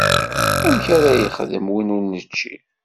Amek ara yexdem win ur nečči?